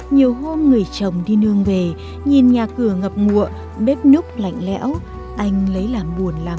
nhiều hôm người chồng đi nương về nhìn nhà cửa ngập ngụa bếp núp lạnh lẽo anh lấy làm buồn lắm